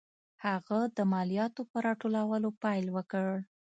هغه د مالیاتو په راټولولو پیل وکړ.